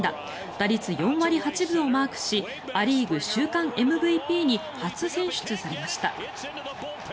打率４割８分をマークしア・リーグ週間ＭＶＰに初選出されました。